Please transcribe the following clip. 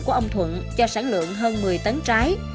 của ông thuận cho sản lượng hơn một mươi tấn trái